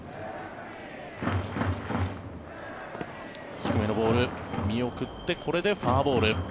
低めのボール、見送ってこれでフォアボール。